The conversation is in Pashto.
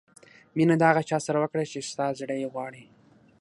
مینه د هغه چا سره وکړه چې ستا زړه یې غواړي.